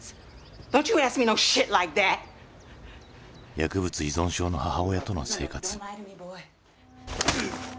薬物依存症の母親との生活。